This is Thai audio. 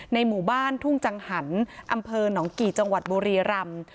หมู่บ้านทุ่งจังหันอำเภอหนองกี่จังหวัดบุรีรำ